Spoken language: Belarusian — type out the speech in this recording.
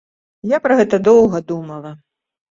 Я пра гэта доўга думала.